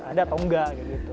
ada atau enggak